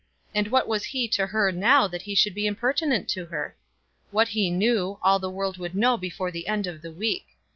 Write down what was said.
And what was he to her now that he should be impertinent to her? What he knew, all the world would know before the end of the week.